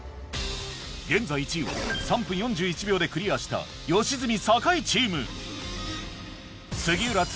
現在１位は３分４１秒でクリアした吉住・酒井チーム杉浦・辻